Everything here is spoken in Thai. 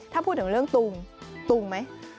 ถ้าพูดถึงเรื่องตุงตุงไหม